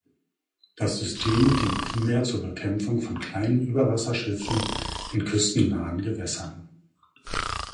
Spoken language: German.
Das System dient primär zur Bekämpfung von kleinen Überwasserschiffen in küstennahen Gewässern.